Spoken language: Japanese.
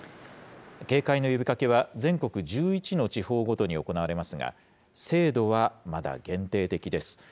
警戒の呼びかけは、全国１１の地方ごとに行われますが、精度はまだ限定的です。